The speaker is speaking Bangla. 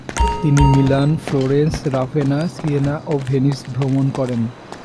তিনি মিলান, ফ্লোরেন্স, রাভেনা, সিয়েনা ও ভেনিস ভ্রমণ করেন।